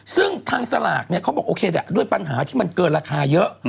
ซึ่งทางสลากเนี่ยเขาบอกโอเคด้วยปัญหาที่มันเกินราคาเยอะ